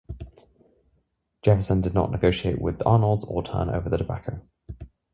Jefferson did not negotiate with Arnolds or turn over the tobacco.